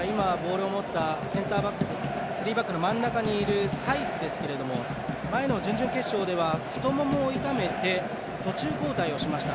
センターバックの真ん中にいるサイス前の準々決勝では太ももを痛めて途中交代をしました。